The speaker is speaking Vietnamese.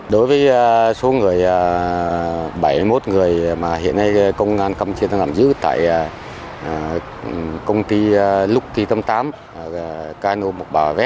đối với số người bảy mươi một người mà hiện nay công an campuchia đang nằm giữ tại công ty lục kỳ tâm tám kno một trăm ba mươi ba v